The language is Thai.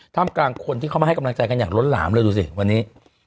กลางคนที่เข้ามาให้กำลังใจกันอย่างล้นหลามเลยดูสิวันนี้